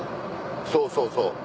そうそうそう。